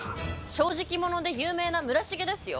正直者で有名な村重ですよ？